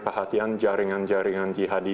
perhatian jaringan jaringan jihadi